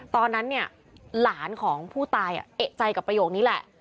ตอนนั้นเนี่ยหลานของผู้ตายเอกใจกับประโยคนี้แหละ